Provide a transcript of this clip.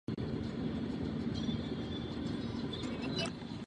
Nachází se na rozhraní čtvrtí Bohunice a Starý Lískovec v ulici Jihlavské.